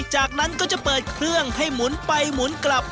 จากนั้นก็จะเปิดเครื่องให้หมุนไปหมุนกลับ